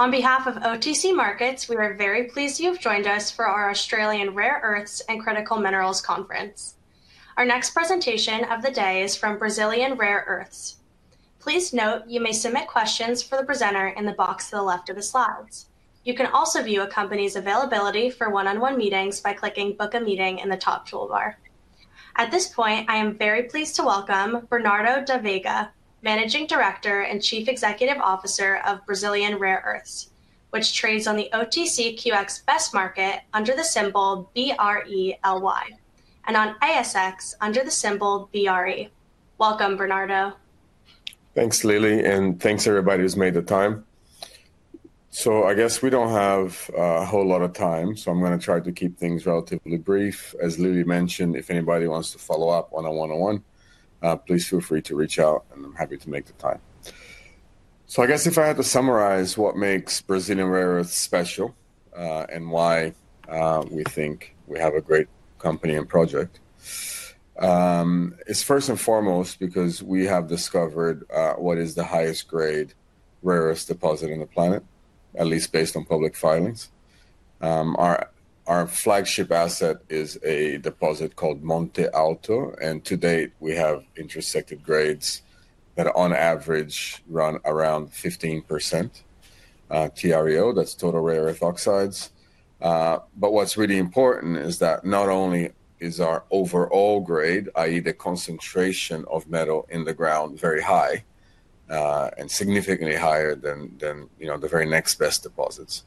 On behalf of OTC Markets, we are very pleased you have joined us for our Australian Rare Earths and Critical Minerals Conference. Our next presentation of the day is from Brazilian Rare Earths. Please note you may submit questions for the presenter in the box to the left of the slides. You can also view a company's availability for one-on-one meetings by clicking "Book a Meeting" in the top toolbar. At this point, I am very pleased to welcome Bernardo da Veiga, Managing Director and Chief Executive Officer of Brazilian Rare Earths, which trades on the OTCQX Best Market under the symbol BRELY and on ASX under the symbol BRE. Welcome, Bernardo. Thanks, Lili, and thanks to everybody who's made the time. I guess we do not have a whole lot of time, so I'm going to try to keep things relatively brief. As Lili mentioned, if anybody wants to follow up on a one-on-one, please feel free to reach out, and I'm happy to make the time. I guess if I had to summarize what makes Brazilian Rare Earths special and why we think we have a great company and project, it's first and foremost because we have discovered what is the highest grade rare earths deposit on the planet, at least based on public filings. Our flagship asset is a deposit called Monte Alto, and to date, we have intersected grades that on average run around 15% TREO, that's Total Rare Earth Oxides. What is really important is that not only is our overall grade, i.e., the concentration of metal in the ground, very high and significantly higher than the very next best deposits,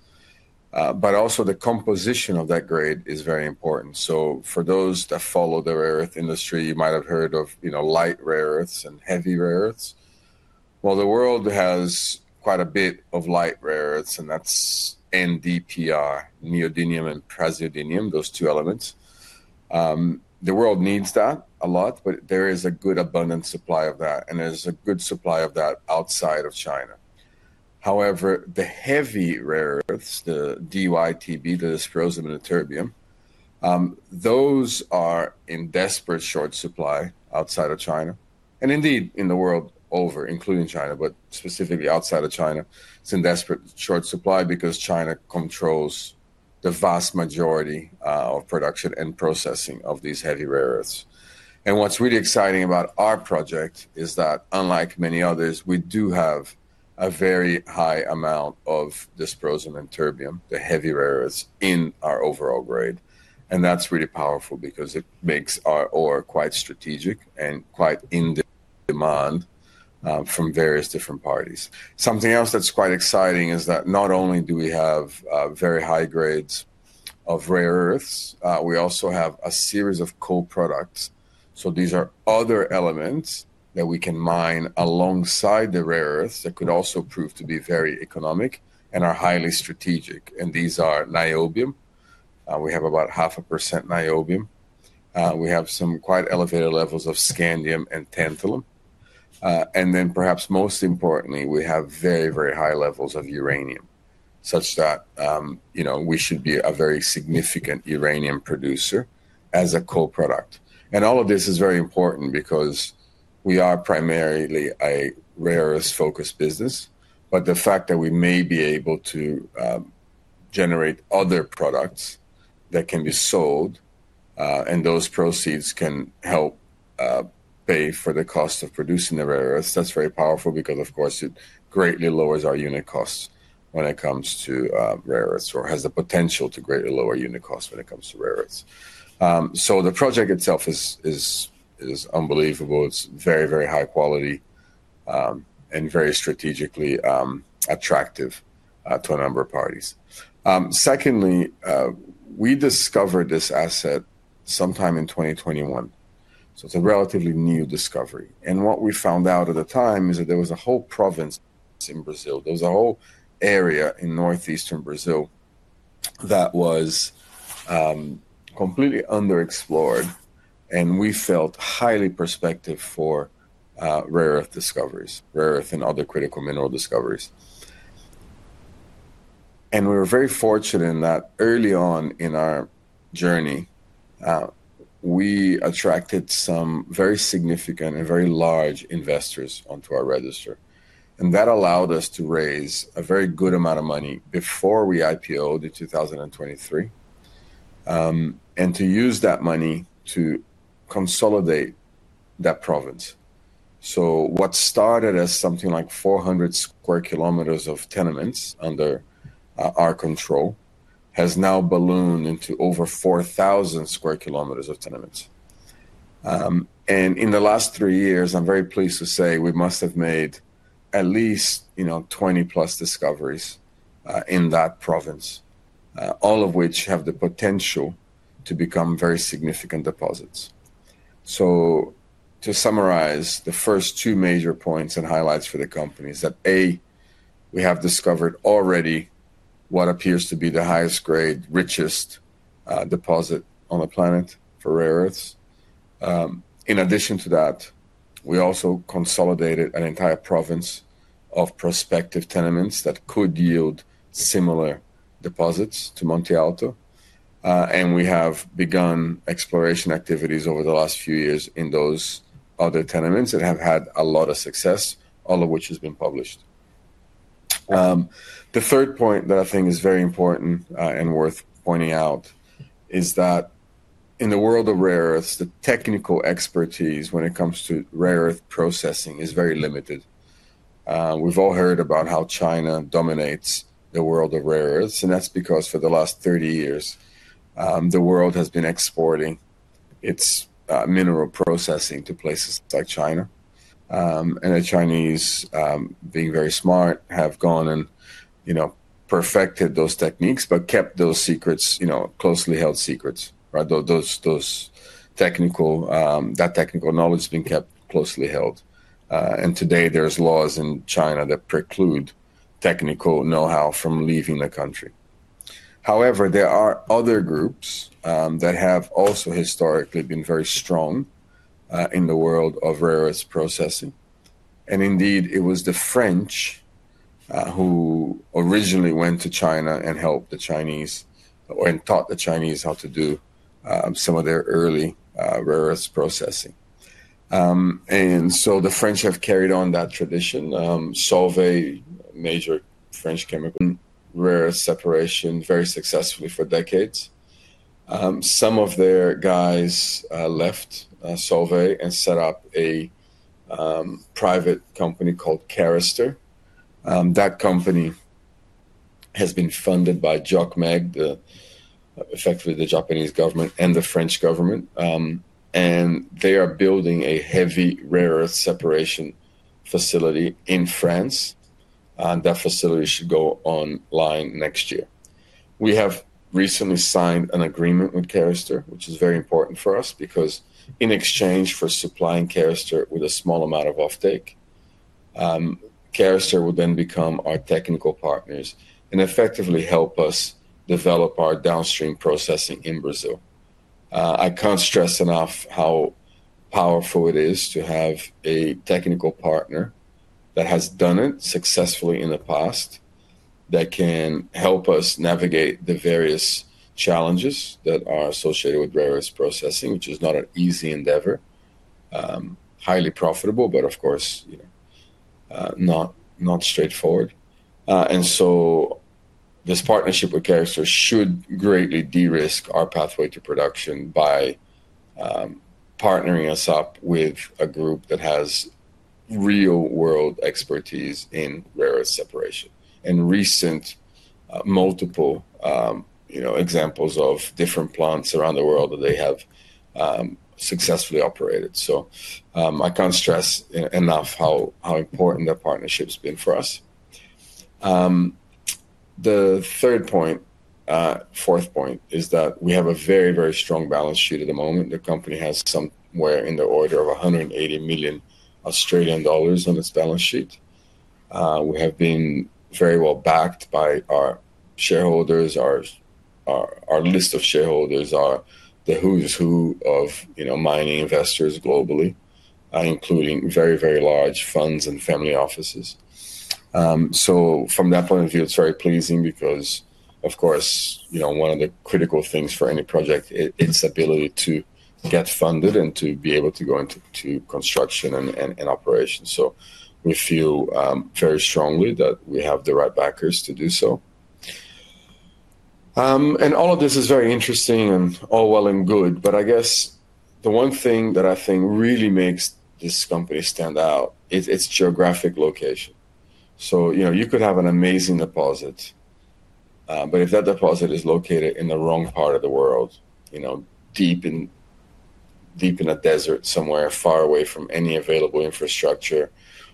but also the composition of that grade is very important. For those that follow the rare earth industry, you might have heard of light rare earths and heavy rare earths. The world has quite a bit of light rare earths, and that is NdPr, neodymium and praseodymium, those two elements. The world needs that a lot, but there is a good abundant supply of that, and there is a good supply of that outside of China. However, the heavy rare earths, the DyTb, the dysprosium and the terbium, those are in desperate short supply outside of China and indeed in the world over, including China, but specifically outside of China. It's in desperate short supply because China controls the vast majority of production and processing of these heavy rare earths. What's really exciting about our project is that unlike many others, we do have a very high amount of dysprosium and terbium, the heavy rare earths, in our overall grade. That's really powerful because it makes our ore quite strategic and quite in demand from various different parties. Something else that's quite exciting is that not only do we have very high grades of rare earths, we also have a series of co-products. These are other elements that we can mine alongside the rare earths that could also prove to be very economic and are highly strategic. These are niobium. We have about 0.5% niobium. We have some quite elevated levels of scandium and tantalum. Perhaps most importantly, we have very, very high levels of uranium, such that we should be a very significant uranium producer as a co-product. All of this is very important because we are primarily a rare earths focused business, but the fact that we may be able to generate other products that can be sold and those proceeds can help pay for the cost of producing the rare earths, that's very powerful because, of course, it greatly lowers our unit costs when it comes to rare earths or has the potential to greatly lower unit costs when it comes to rare earths. The project itself is unbelievable. It's very, very high quality and very strategically attractive to a number of parties. Secondly, we discovered this asset sometime in 2021. It's a relatively new discovery. What we found out at the time is that there was a whole province in Brazil. There was a whole area in northeastern Brazil that was completely underexplored, and we felt highly prospective for rare earth discoveries, rare earth and other critical mineral discoveries. We were very fortunate in that early on in our journey, we attracted some very significant and very large investors onto our register. That allowed us to raise a very good amount of money before we IPO'd in 2023 and to use that money to consolidate that province. What started as something like 400 sq km of tenements under our control has now ballooned into over 4,000 sq km of tenements. In the last three years, I'm very pleased to say we must have made at least 20+ discoveries in that province, all of which have the potential to become very significant deposits. To summarize, the first two major points and highlights for the company is that, A, we have discovered already what appears to be the highest grade, richest deposit on the planet for rare earths. In addition to that, we also consolidated an entire province of prospective tenements that could yield similar deposits to Monte Alto, and we have begun exploration activities over the last few years in those other tenements that have had a lot of success, all of which has been published. The third point that I think is very important and worth pointing out is that in the world of rare earths, the technical expertise when it comes to rare earth processing is very limited. We've all heard about how China dominates the world of rare earths, and that's because for the last 30 years, the world has been exporting its mineral processing to places like China. The Chinese, being very smart, have gone and perfected those techniques but kept those secrets, closely held secrets. That technical knowledge has been kept closely held. Today, there are laws in China that preclude technical know-how from leaving the country. However, there are other groups that have also historically been very strong in the world of rare earth processing. It was the French who originally went to China and helped the Chinese and taught the Chinese how to do some of their early rare earth processing. The French have carried on that tradition, Solvay, a major French chemical rare earth separation, very successfully for decades. Some of their guys left Solvay and set up a private company called Carester. That company has been funded by JOGMEC, effectively the Japanese government and the French government. They are building a heavy rare earth separation facility in France. That facility should go online next year. We have recently signed an agreement with Carester, which is very important for us because in exchange for supplying Carester with a small amount of offtake, Carester will then become our technical partners and effectively help us develop our downstream processing in Brazil. I can't stress enough how powerful it is to have a technical partner that has done it successfully in the past that can help us navigate the various challenges that are associated with rare earth processing, which is not an easy endeavor, highly profitable, but of course, not straightforward. This partnership with Carester should greatly de-risk our pathway to production by partnering us up with a group that has real-world expertise in rare earth separation and recent multiple examples of different plants around the world that they have successfully operated. I can't stress enough how important that partnership has been for us. The third point, fourth point, is that we have a very, very strong balance sheet at the moment. The company has somewhere in the order of 180 million Australian dollars on its balance sheet. We have been very well backed by our shareholders. Our list of shareholders are the who's who of mining investors globally, including very, very large funds and family offices. From that point of view, it's very pleasing because, of course, one of the critical things for any project is its ability to get funded and to be able to go into construction and operation. We feel very strongly that we have the right backers to do so. All of this is very interesting and all well and good, but I guess the one thing that I think really makes this company stand out is its geographic location. You could have an amazing deposit, but if that deposit is located in the wrong part of the world, deep in a desert somewhere far away from any available infrastructure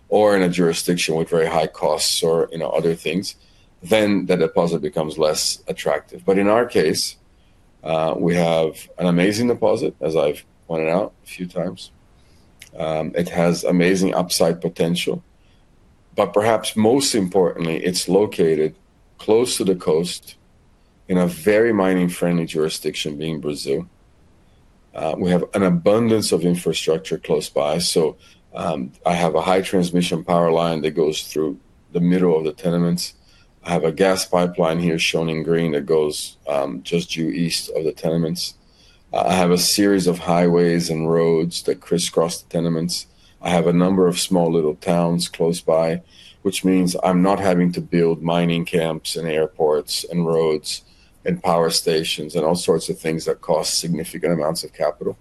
or in a jurisdiction with very high costs or other things, then that deposit becomes less attractive. In our case, we have an amazing deposit, as I've pointed out a few times. It has amazing upside potential, but perhaps most importantly, it's located close to the coast in a very mining-friendly jurisdiction, being Brazil. We have an abundance of infrastructure close by. I have a high transmission power line that goes through the middle of the tenements. I have a gas pipeline here shown in green that goes just due east of the tenements. I have a series of highways and roads that crisscross the tenements. I have a number of small little towns close by, which means I'm not having to build mining camps and airports and roads and power stations and all sorts of things that cost significant amounts of capital.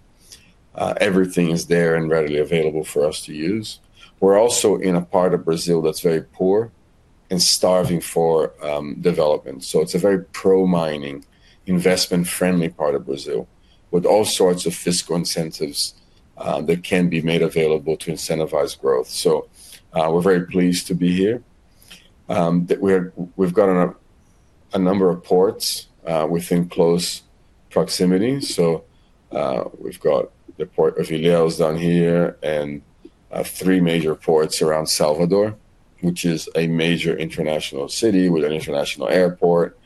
Everything is there and readily available for us to use. We're also in a part of Brazil that's very poor and starving for development. It is a very pro-mining, investment-friendly part of Brazil with all sorts of fiscal incentives that can be made available to incentivize growth. We are very pleased to be here. We've got a number of ports within close proximity. We've got the Port of Ilhéus down here and three major ports around Salvador, which is a major international city with an international airport.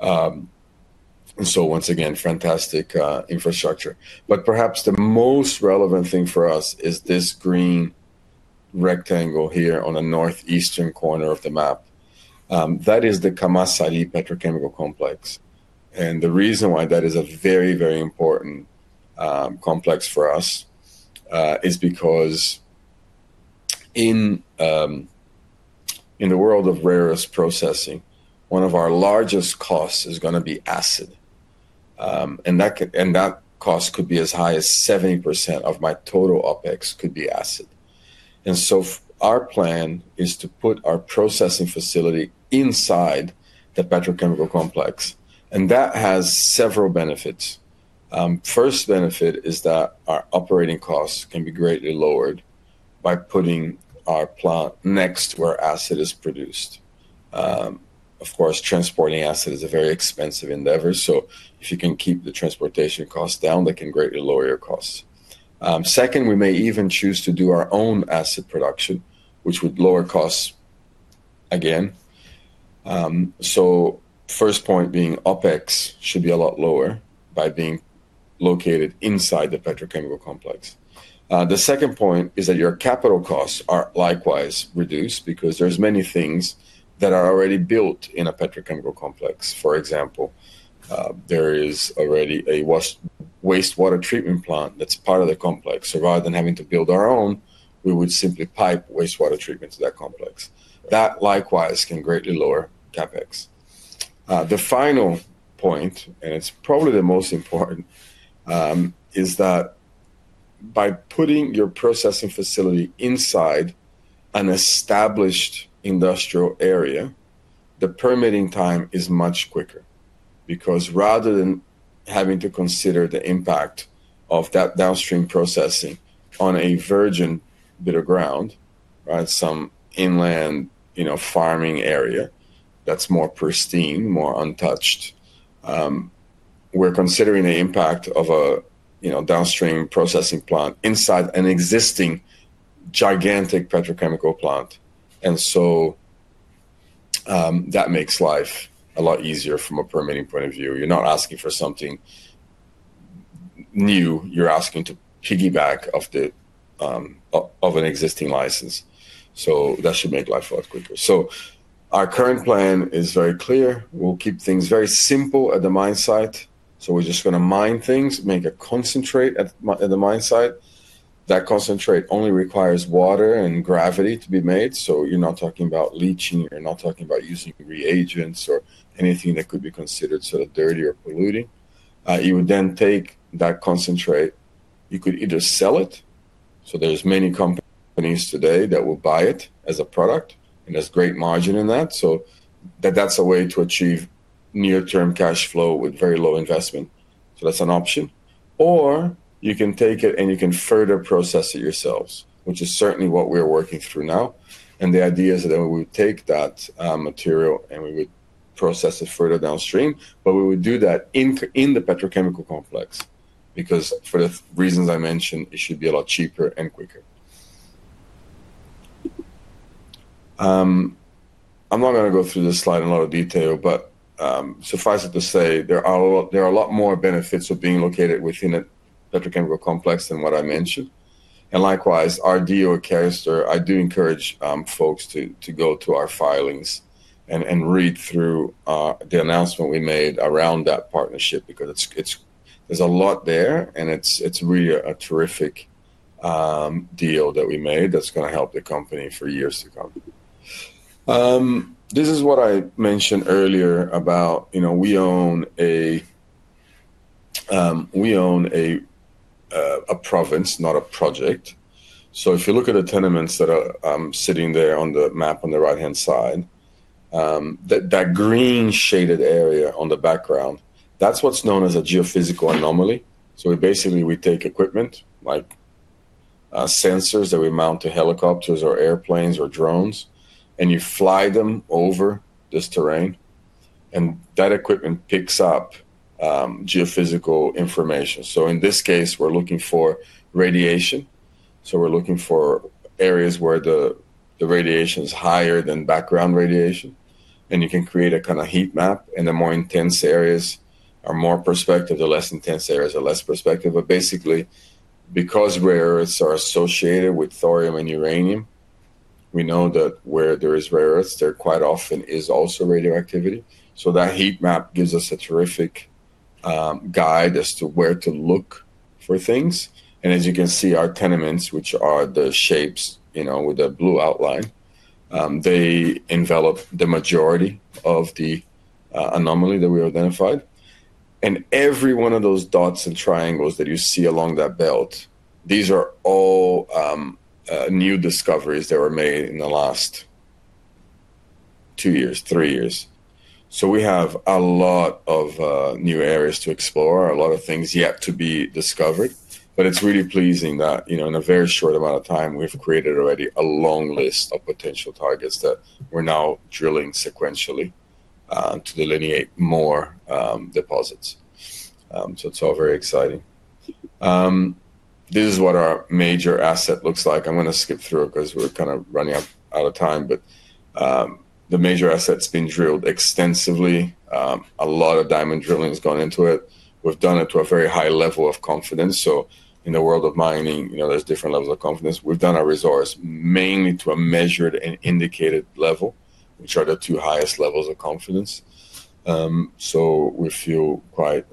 Once again, fantastic infrastructure. Perhaps the most relevant thing for us is this green rectangle here on the northeastern corner of the map. That is the Camaçari Petrochemical Complex. The reason why that is a very, very important complex for us is because in the world of rare earth processing, one of our largest costs is going to be acid. That cost could be as high as 70% of my total OpEx could be acid. Our plan is to put our processing facility inside the petrochemical complex. That has several benefits. First benefit is that our operating costs can be greatly lowered by putting our plant next where acid is produced. Of course, transporting acid is a very expensive endeavor. If you can keep the transportation costs down, that can greatly lower your costs. Second, we may even choose to do our own acid production, which would lower costs again. First point being OpEx should be a lot lower by being located inside the petrochemical complex. The second point is that your capital costs are likewise reduced because there are many things that are already built in a petrochemical complex. For example, there is already a wastewater treatment plant that's part of the complex. Rather than having to build our own, we would simply pipe wastewater treatment to that complex. That likewise can greatly lower CapEx. The final point, and it's probably the most important, is that by putting your processing facility inside an established industrial area, the permitting time is much quicker because rather than having to consider the impact of that downstream processing on a virgin bit of ground, some inland farming area that's more pristine, more untouched, we're considering the impact of a downstream processing plant inside an existing gigantic petrochemical plant. That makes life a lot easier from a permitting point of view. You're not asking for something new. You're asking to piggyback off of an existing license. That should make life a lot quicker. Our current plan is very clear. We'll keep things very simple at the mine site. We're just going to mine things, make a concentrate at the mine site. That concentrate only requires water and gravity to be made. You're not talking about leaching. You're not talking about using reagents or anything that could be considered sort of dirty or polluting. You would then take that concentrate. You could either sell it. There are many companies today that will buy it as a product and there's great margin in that. That's a way to achieve near-term cash flow with very low investment. That's an option. You can take it and you can further process it yourselves, which is certainly what we're working through now. The idea is that we would take that material and we would process it further downstream, but we would do that in the petrochemical complex because for the reasons I mentioned, it should be a lot cheaper and quicker. I'm not going to go through this slide in a lot of detail, but suffice it to say there are a lot more benefits of being located within a petrochemical complex than what I mentioned. Likewise, our deal with Carester, I do encourage folks to go to our filings and read through the announcement we made around that partnership because there's a lot there, and it's really a terrific deal that we made that's going to help the company for years to come. This is what I mentioned earlier about we own a province, not a project. If you look at the tenements that are sitting there on the map on the right-hand side, that green shaded area on the background, that's what's known as a geophysical anomaly. Basically, we take equipment like sensors that we mount to helicopters or airplanes or drones, and you fly them over this terrain, and that equipment picks up geophysical information. In this case, we're looking for radiation. We're looking for areas where the radiation is higher than background radiation, and you can create a kind of heat map, and the more intense areas are more prospective, the less intense areas are less prospective. Basically, because rare earths are associated with thorium and uranium, we know that where there are rare earths, there quite often is also radioactivity. That heat map gives us a terrific guide as to where to look for things. As you can see, our tenements, which are the shapes with the blue outline, envelop the majority of the anomaly that we identified. Every one of those dots and triangles that you see along that belt, these are all new discoveries that were made in the last two years, three years. We have a lot of new areas to explore, a lot of things yet to be discovered. It is really pleasing that in a very short amount of time, we have created already a long list of potential targets that we are now drilling sequentially to delineate more deposits. It is all very exciting. This is what our major asset looks like. I am going to skip through it because we are kind of running out of time. The major asset has been drilled extensively. A lot of diamond drilling has gone into it. We've done it to a very high level of confidence. In the world of mining, there's different levels of confidence. We've done our resource mainly to a measured and indicated level, which are the two highest levels of confidence. We feel quite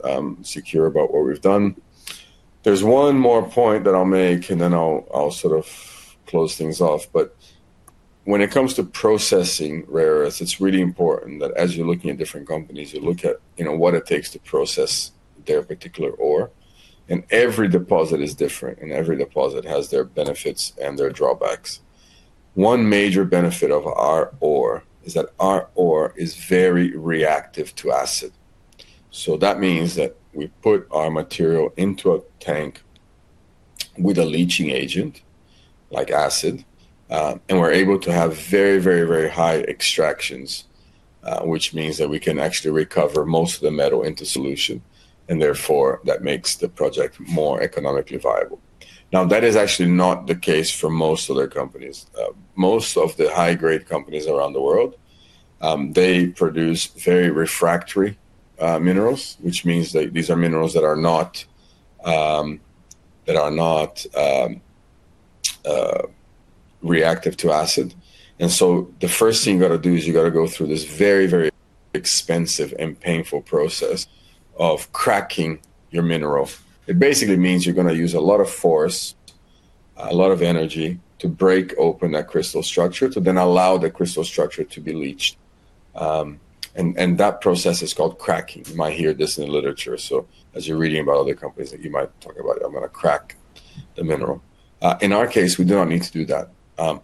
secure about what we've done. There's one more point that I'll make, and then I'll sort of close things off. When it comes to processing rare earths, it's really important that as you're looking at different companies, you look at what it takes to process their particular ore. Every deposit is different, and every deposit has their benefits and their drawbacks. One major benefit of our ore is that our ore is very reactive to acid. That means that we put our material into a tank with a leaching agent like acid, and we're able to have very, very, very high extractions, which means that we can actually recover most of the metal into solution. Therefore, that makes the project more economically viable. Now, that is actually not the case for most other companies. Most of the high-grade companies around the world produce very refractory minerals, which means that these are minerals that are not reactive to acid. The first thing you've got to do is you've got to go through this very, very expensive and painful process of cracking your mineral. It basically means you're going to use a lot of force, a lot of energy to break open that crystal structure to then allow the crystal structure to be leached. That process is called cracking. You might hear this in the literature. As you're reading about other companies, you might talk about, "I'm going to crack the mineral." In our case, we do not need to do that.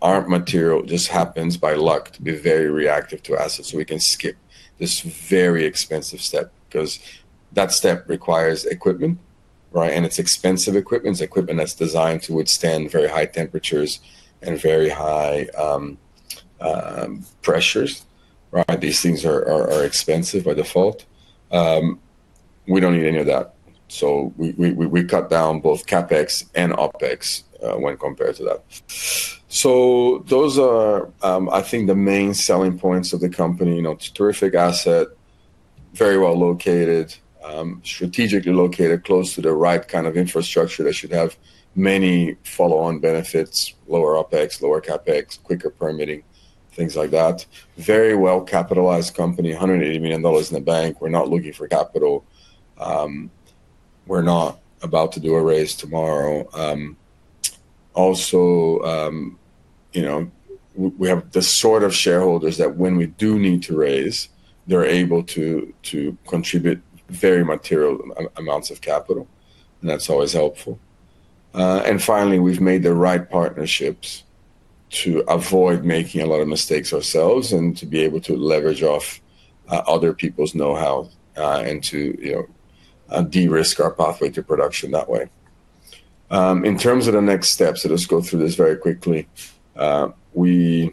Our material just happens by luck to be very reactive to acid. We can skip this very expensive step because that step requires equipment, right? It's expensive equipment. It's equipment that's designed to withstand very high temperatures and very high pressures, right? These things are expensive by default. We don't need any of that. We cut down both CapEx and OpEx when compared to that. Those are, I think, the main selling points of the company. It's a terrific asset, very well located, strategically located, close to the right kind of infrastructure that should have many follow-on benefits: lower OpEx, lower CapEx, quicker permitting, things like that. Very well-capitalized company, 180 million dollars in the bank. We're not looking for capital. We're not about to do a raise tomorrow. Also, we have the sort of shareholders that when we do need to raise, they're able to contribute very material amounts of capital. That's always helpful. Finally, we've made the right partnerships to avoid making a lot of mistakes ourselves and to be able to leverage off other people's know-how and to de-risk our pathway to production that way. In terms of the next steps, let us go through this very quickly. We're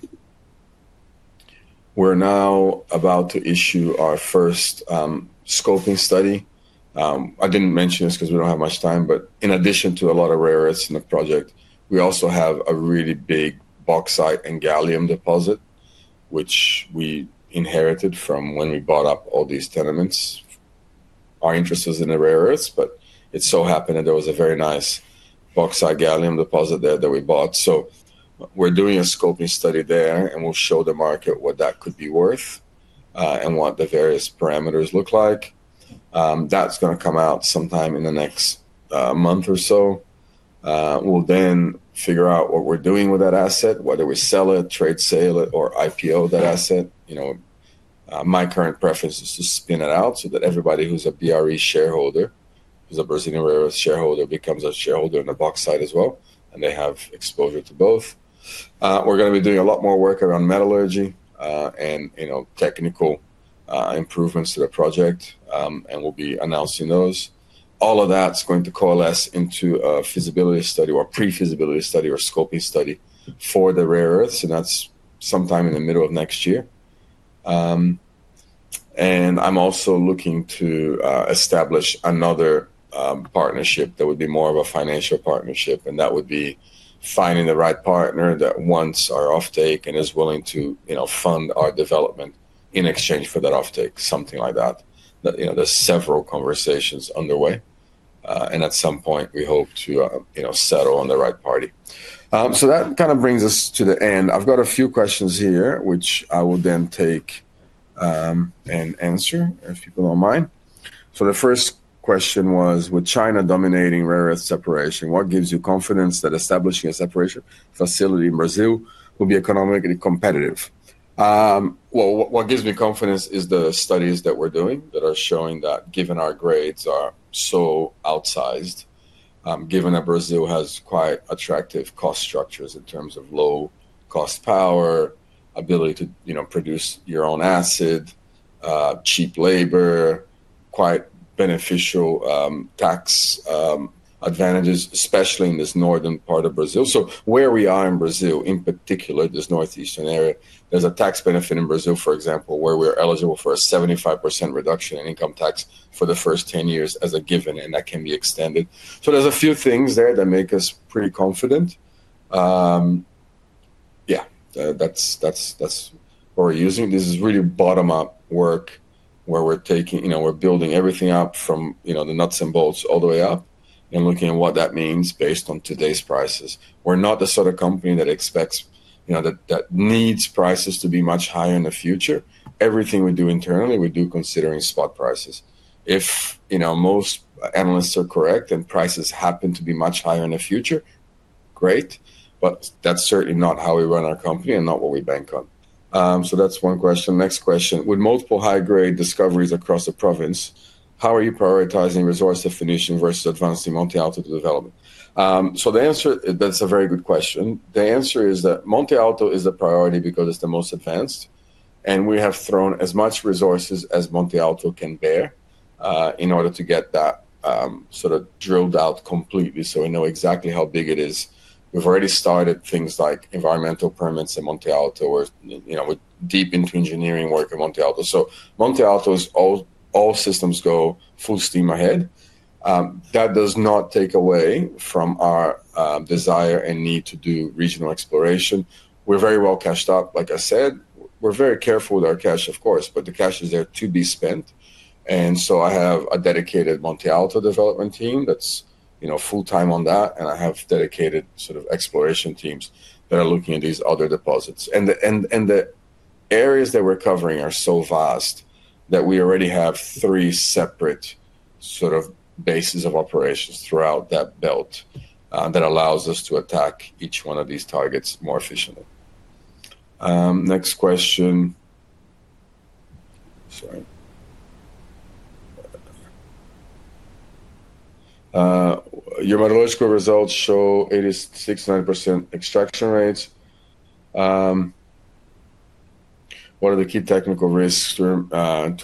now about to issue our first scoping study. I didn't mention this because we don't have much time. In addition to a lot of rare earths in the project, we also have a really big bauxite and gallium deposit, which we inherited from when we bought up all these tenements. Our interest is in the rare earths, but it so happened that there was a very nice bauxite gallium deposit there that we bought. We are doing a scoping study there, and we will show the market what that could be worth and what the various parameters look like. That is going to come out sometime in the next month or so. We will then figure out what we are doing with that asset, whether we sell it, trade sale it, or IPO that asset. My current preference is to spin it out so that everybody who is a BRE shareholder, who is a Brazilian Rare Earths shareholder, becomes a shareholder in the bauxite as well, and they have exposure to both. We are going to be doing a lot more work around metallurgy and technical improvements to the project, and we will be announcing those. All of that's going to coalesce into a feasibility study or pre-feasibility study or scoping study for the rare earths. That is sometime in the middle of next year. I am also looking to establish another partnership that would be more of a financial partnership. That would be finding the right partner that wants our offtake and is willing to fund our development in exchange for that offtake, something like that. There are several conversations underway. At some point, we hope to settle on the right party. That kind of brings us to the end. I have got a few questions here, which I will then take and answer if people do not mind. The first question was, with China dominating rare earth separation, what gives you confidence that establishing a separation facility in Brazil will be economically competitive? What gives me confidence is the studies that we're doing that are showing that given our grades are so outsized, given that Brazil has quite attractive cost structures in terms of low-cost power, ability to produce your own acid, cheap labor, quite beneficial tax advantages, especially in this northern part of Brazil. Where we are in Brazil, in particular, this northeastern area, there's a tax benefit in Brazil, for example, where we're eligible for a 75% reduction in income tax for the first 10 years as a given, and that can be extended. There are a few things there that make us pretty confident. Yeah, that's what we're using. This is really bottom-up work where we're building everything up from the nuts and bolts all the way up and looking at what that means based on today's prices. We're not the sort of company that expects that needs prices to be much higher in the future. Everything we do internally, we do considering spot prices. If most analysts are correct and prices happen to be much higher in the future, great. That's certainly not how we run our company and not what we bank on. That's one question. Next question. With multiple high-grade discoveries across the province, how are you prioritizing resource definition versus advancing Monte Alto to development? That's a very good question. The answer is that Monte Alto is the priority because it's the most advanced, and we have thrown as much resources as Monte Alto can bear in order to get that sort of drilled out completely so we know exactly how big it is. We've already started things like environmental permits in Monte Alto. We're deep into engineering work in Monte Alto. Monte Alto's all systems go full steam ahead. That does not take away from our desire and need to do regional exploration. We're very well cashed up. Like I said, we're very careful with our cash, of course, but the cash is there to be spent. I have a dedicated Monte Alto development team that's full-time on that, and I have dedicated sort of exploration teams that are looking at these other deposits. The areas that we're covering are so vast that we already have three separate sort of bases of operations throughout that belt that allows us to attack each one of these targets more efficiently. Next question. Sorry. Your metallurgical results show 86% extraction rates. What are the key technical risks to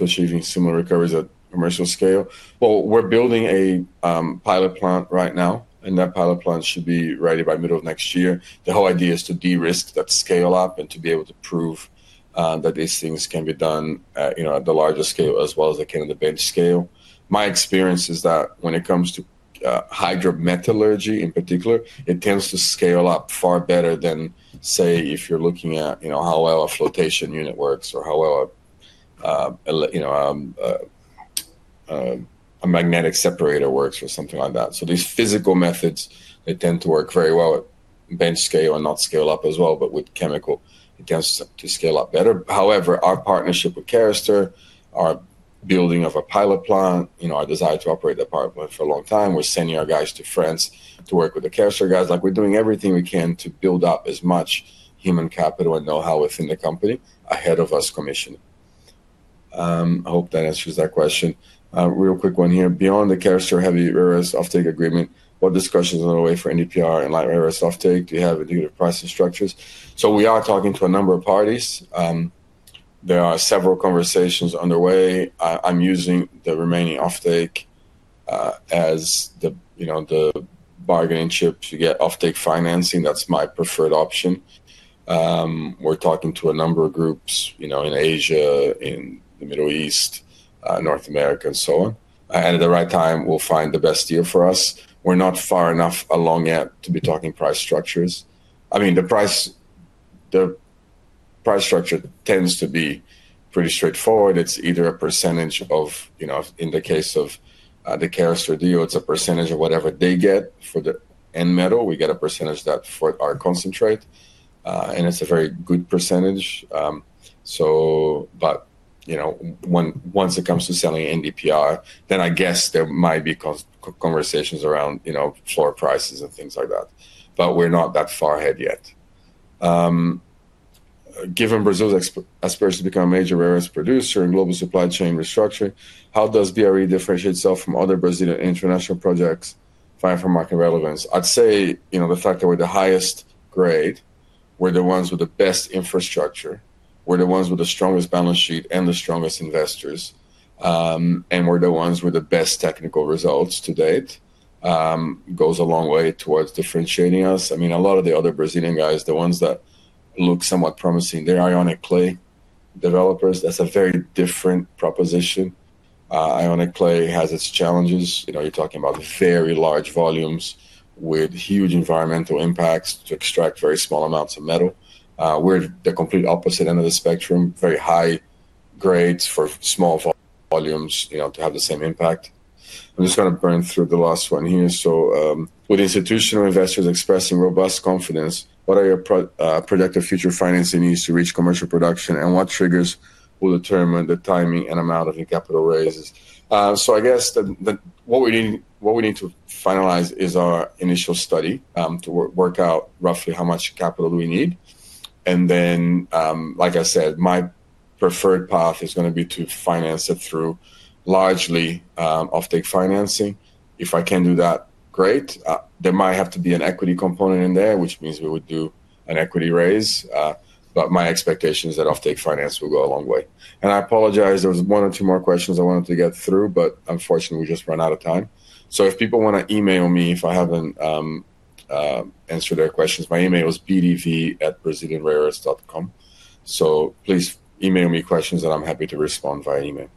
achieving similar recoveries at commercial scale? We are building a pilot plant right now, and that pilot plant should be ready by middle of next year. The whole idea is to de-risk that scale-up and to be able to prove that these things can be done at the larger scale as well as the Canada bench scale. My experience is that when it comes to hydrometallurgy in particular, it tends to scale up far better than, say, if you are looking at how well a flotation unit works or how well a magnetic separator works or something like that. These physical methods, they tend to work very well at bench scale and not scale up as well, but with chemical, it tends to scale up better. However, our partnership with Carester, our building of a pilot plant, our desire to operate the pilot plant for a long time, we're sending our guys to France to work with the Carester guys. We're doing everything we can to build up as much human capital and know-how within the company ahead of us commissioning. I hope that answers that question. Real quick one here. Beyond the Carester heavy rare earth offtake agreement, what discussions are underway for NdPr and light rare earth offtake? Do you have indicative pricing structures? We are talking to a number of parties. There are several conversations underway. I'm using the remaining offtake as the bargaining chip to get offtake financing. That's my preferred option. We're talking to a number of groups in Asia, in the Middle East, North America, and so on. At the right time, we'll find the best deal for us. We're not far enough along yet to be talking price structures. I mean, the price structure tends to be pretty straightforward. It's either a percentage of, in the case of the Carester deal, it's a percentage of whatever they get for the end metal. We get a percentage of that for our concentrate, and it's a very good percentage. Once it comes to selling NdPr, then I guess there might be conversations around floor prices and things like that. We're not that far ahead yet. Given Brazil's aspiration to become a major rare earth producer and global supply chain restructure, how does BRE differentiate itself from other Brazilian international projects? Find for market relevance. I'd say the fact that we're the highest grade, we're the ones with the best infrastructure, we're the ones with the strongest balance sheet and the strongest investors, and we're the ones with the best technical results to date goes a long way towards differentiating us. I mean, a lot of the other Brazilian guys, the ones that look somewhat promising, they're ionic clay developers. That's a very different proposition. Ionic clay has its challenges. You're talking about very large volumes with huge environmental impacts to extract very small amounts of metal. We're at the complete opposite end of the spectrum, very high grades for small volumes to have the same impact. I'm just going to burn through the last one here. With institutional investors expressing robust confidence, what are your projected future financing needs to reach commercial production, and what triggers will determine the timing and amount of capital raises? I guess what we need to finalize is our initial study to work out roughly how much capital we need. Like I said, my preferred path is going to be to finance it through largely offtake financing. If I can do that, great. There might have to be an equity component in there, which means we would do an equity raise. My expectation is that offtake finance will go a long way. I apologize. There was one or two more questions I wanted to get through, but unfortunately, we just ran out of time. If people want to email me, if I have not answered their questions, my email is bdv@brazilianrareearths.com. Please email me questions, and I'm happy to respond via email.